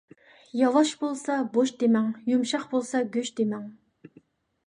ياۋاش بولسا بوش دېمەڭ، يۇمشاق بولسا گۆش دېمەڭ.